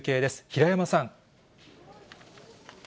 平山さん。